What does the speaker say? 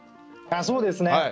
そうですね。